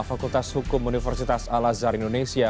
fakultas hukum universitas al azhar indonesia